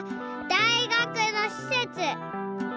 大学のしせつ。